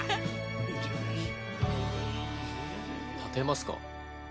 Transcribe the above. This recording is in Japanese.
立てますか？